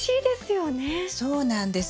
そうなんです。